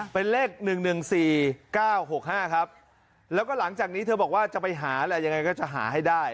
เป็นเลข๑๑๔๙๖๕ครับแล้วก็หลังจากนี้เธอบอกว่าจะไปหาแหละยังไงก็จะหาให้ได้